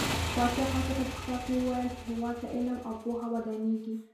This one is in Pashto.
پاچا خلکو ته په خطاب کې وويل چې هيواد په علم او پوهه ودانيږي .